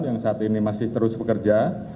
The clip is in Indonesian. yang saat ini masih terus bekerja